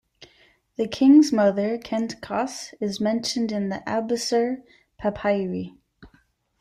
The king's mother Khentkaus is mentioned in the "Abusir Papyri".